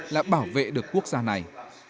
là bảo vệ được quốc gia này